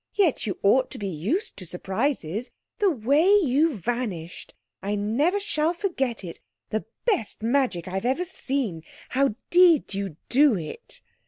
Yet you ought to be used to surprises. The way you vanished! I shall never forget it. The best magic I've ever seen. How did you do it?"